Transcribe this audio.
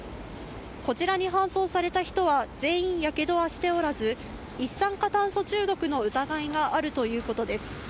こちらに搬送された人は全員、やけどはしておらず、一酸化炭素中毒の疑いがあるということです。